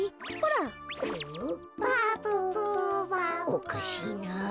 おかしいなあ。